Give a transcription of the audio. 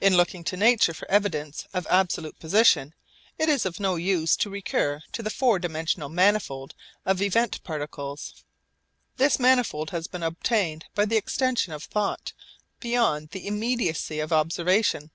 In looking to nature for evidence of absolute position it is of no use to recur to the four dimensional manifold of event particles. This manifold has been obtained by the extension of thought beyond the immediacy of observation.